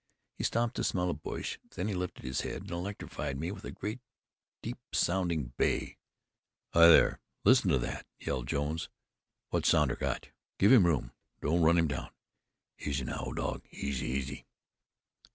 He stopped to smell a bush. Then he lifted his head, and electrified me with a great, deep sounding bay. "Hi! there, listen to that!" yelled Jones "What's Sounder got? Give him room don't run him down. Easy now, old dog, easy, easy!"